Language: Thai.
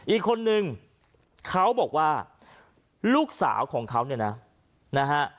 อีกคนนึงเขาบอกว่าลูกสาวของเขาเนี่ยนะนะฮะ